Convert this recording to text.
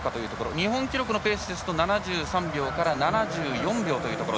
日本記録のペースですと７３秒から７４秒というところ。